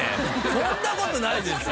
そんな事ないですよ！